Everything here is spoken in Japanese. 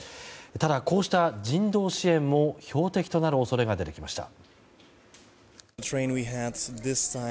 ただ、こうした人道支援も標的となる恐れが出てきました。